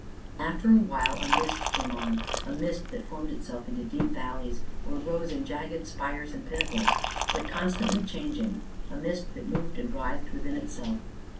After a while, a mist came on, a mist that formed itself into deep valleys, or rose in jagged spires and pinnacles, but constantly changing; a mist that moved and writhed within itself.